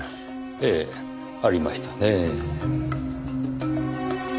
ええありましたねぇ。